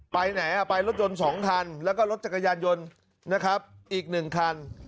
ไปไหนไปรถยนต์๒คันแล้วก็รถจักรยานยนต์นะครับอีก๑คัน